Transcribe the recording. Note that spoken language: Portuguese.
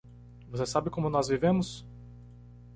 Você sabe como nós vivemos?